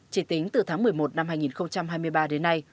chỉ tính từ tháng một mươi một năm hai nghìn hai mươi ba đến nay